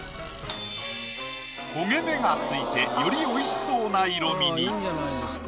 焦げ目が付いてよりおいしそうな色味に。